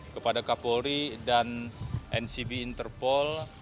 kepada kapolri dan ncb interpol